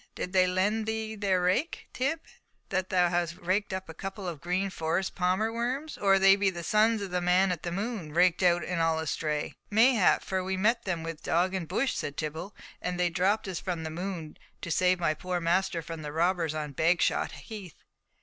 Did they lend thee their rake, Tib, that thou hast raked up a couple of green Forest palmer worms, or be they the sons of the man in the moon, raked out and all astray?" "Mayhap, for we met them with dog and bush," said Tibble, "and they dropped as from the moon to save my poor master from the robbers on Bagshot heath!